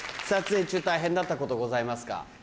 撮影中大変だったことございますか？